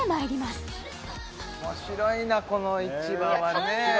面白いなこの市場はね広蔵